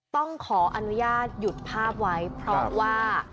ต้องขออนุญาตหยุดภาพไว้เพราะว่า